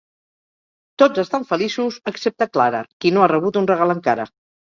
Tots estan feliços, excepte Clara, qui no ha rebut un regal encara.